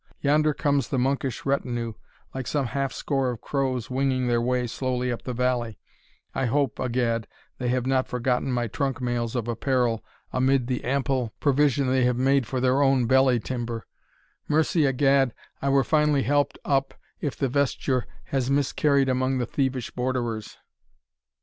Yonder comes the monkish retinue, like some half score of crows winging their way slowly up the valley I hope, a'gad, they have not forgotten my trunk mails of apparel amid the ample provision they have made for their own belly timber Mercy, a'gad, I were finely helped up if the vesture has miscarried among the thievish Borderers!"